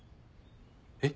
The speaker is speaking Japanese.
えっ？